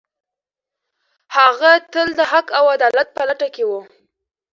هغه تل د حق او عدالت په لټه کې و.